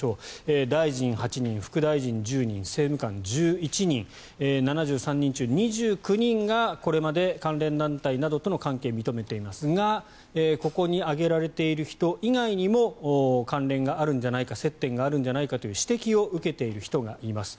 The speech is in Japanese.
大臣８人、副大臣１０人政務官１１人７３人中２９人がこれまで関連団体などとの関係を認めていますがここに挙げられている人以外にも関連があるんじゃないか接点があるんじゃないかという指摘を受けている人がいます。